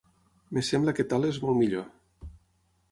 Em sembla que tal és molt millor.